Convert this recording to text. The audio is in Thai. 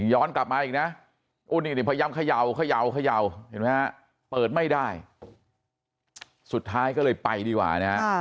ย้อนกลับมาอีกนะพยายามเขย่าเปิดไม่ได้สุดท้ายก็เลยไปดีกว่า